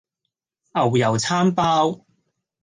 牛油餐包